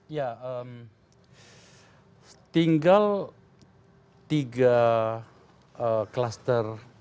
ya tinggal tiga kluster pembahasan utama yang belum dikonsumsi